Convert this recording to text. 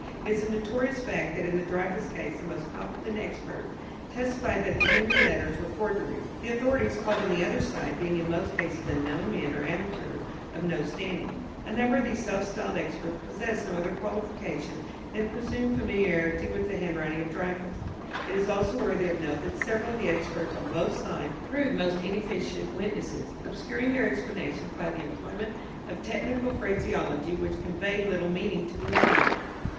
It is a notorious fact that in the Dreyfus case the most competent experts testified that the Henry letters were forgeries, the authorities called on the other side being in most cases unknown men or amateurs of no standing. A number of these self styled experts possessed no other qualification than presumed familiarity with the handwriting of Dreyfus. It is also worthy of note that several of the experts on both sides proved most inefficient witnesses, obscuring their explanations by the employment of technical phraseology which conveyed little meaning to the lay mind.